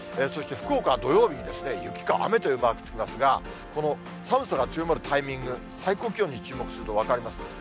そして、福岡は土曜日に、雪か雨というマークつきますが、この寒さが強まるタイミング、最高気温に注目すると分かります。